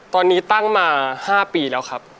ตอนนี้ตั้งมา๕ปีแล้วครับ